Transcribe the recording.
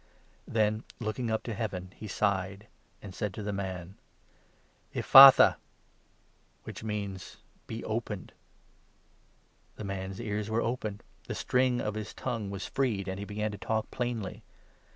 Then, looking up to Heaven, he sighed, and said to the man: 34 " Ephphatha !" which means ' Be opened.' The man's ears were opened, the string of his tongue was 35 freed, and he began to talk plainly.